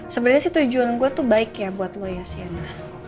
sebenarnya sih tujuan gua tuh baik ya buat lo ya sienna